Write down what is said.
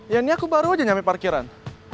ya ini aku baru aja nyami parkiran